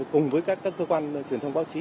cùng với các cơ quan truyền thông báo chí